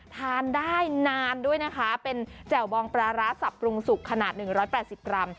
ทานได้นานด้วยนะคะเป็นแจ่วบองปลาร้าสับปรุงสุกขนาด๑๘๐กรัม